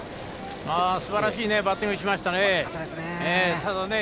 すばらしいバッティングをしましたね。